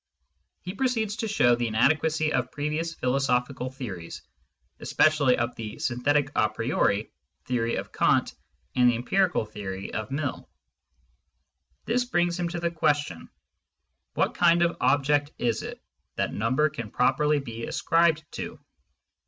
He proceeds to show the inadequacy of previous philosophical theories, especially of the "synthetic a priori^' theory of Kant and the empirical theory of Mill. This brings him to the ques tion : What kind of object is it that number can properly be ascribed to